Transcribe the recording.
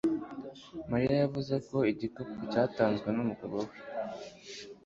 mariya yavuze ko igikapu cyatanzwe n'umugabo we